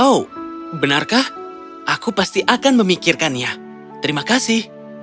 oh benarkah aku pasti akan memikirkannya terima kasih